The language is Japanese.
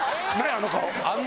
あの顔。